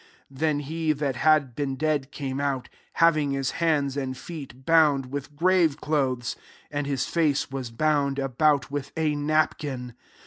44 nen he that had been dead €:ame out, having his hands and feet bound with grave clothes : and his face was bound about with a napkin.